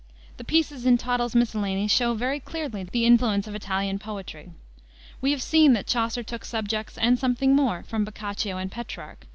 The pieces in Tottel's Miscellany show very clearly the influence of Italian poetry. We have seen that Chaucer took subjects and something more from Boccaccio and Petrarch.